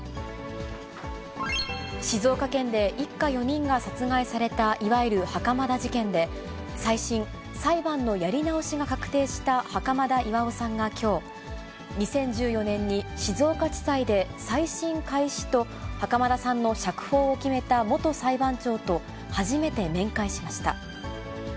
静岡県で一家４人が殺害されたいわゆる袴田事件で、再審・裁判のやり直しが確定した袴田巌さんがきょう、２０１４年に静岡地裁で再審開始と、袴田さんの釈放を決めた元裁判長と初めて面会しました。